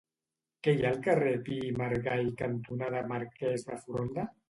Què hi ha al carrer Pi i Margall cantonada Marquès de Foronda?